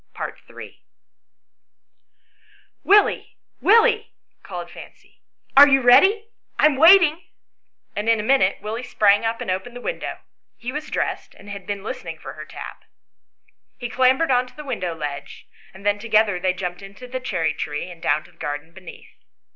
IIL " WILLIE, Willie," called Fancy, " are you ready ? I am waiting ;" and in a minute Willie sprang up and opened the window ; he was dressed, and had been listening for her tap. He clambered on to the window ledge, and then together they jumped into the cherry tree and down to the garden beneath.